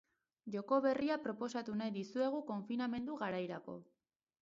Joko berria proposatu nahi dizuegu konfinamendu garairako.